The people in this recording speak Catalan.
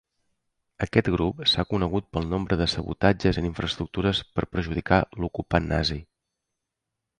Aquest grup s'ha conegut pel nombre de sabotatges en infraestructures per perjudicar l'ocupant nazi.